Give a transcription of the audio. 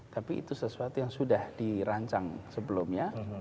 tapi itu sesuatu yang sudah dirancang sebelumnya